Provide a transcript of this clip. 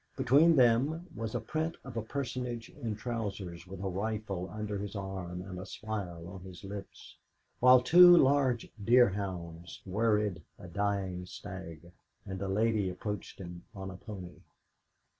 Between them was the print of a personage in trousers, with a rifle under his arm and a smile on his lips, while two large deerhounds worried a dying stag, and a lady approached him on a pony.